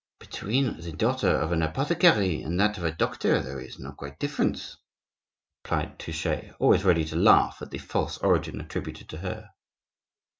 "Between the daughter of an apothecary and that of a doctor there is no great difference," replied Touchet, always ready to laugh at the false origin attributed to her.